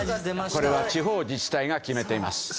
これは地方自治体が決めています。